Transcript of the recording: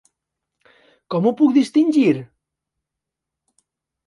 Com ho puc distingir?